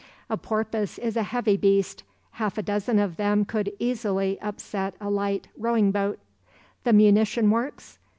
A porpoise is a heavy beast—half a dozen of them could easily upset a light rowing boat. The munition works?